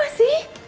ayah jatuh kirim mu